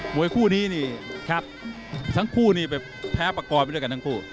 วยคู่นี้นี่ครับทั้งคู่นี่ไปแพ้ประกอบไปด้วยกันทั้งคู่